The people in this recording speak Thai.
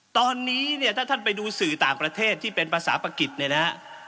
ตอนนี้เนี่ยถ้าท่านไปดูสื่อต่างประเทศที่เป็นภาษาปะกิจเนี่ยนะฮะ